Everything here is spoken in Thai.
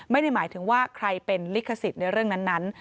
ไม่ได้หมายถึงว่าใครเป็นลิขสิทธิ์ในเรื่องนั้น